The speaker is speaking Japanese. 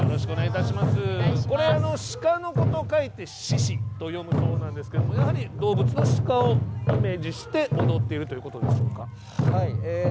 鹿の子と書いて「しし」と読むそうなんですけどもやはり、動物の鹿をイメージして踊ってるということですか。